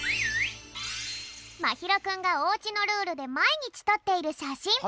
まひろくんがおうちのルールでまいにちとっている写真。